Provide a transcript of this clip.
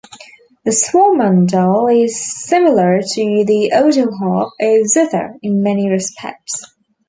The swarmandal is similar to the autoharp or zither in many respects.